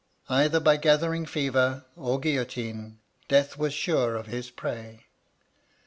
Either by gathering fever or guillotine, death was sure of his prey.